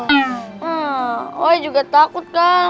gue juga takut kan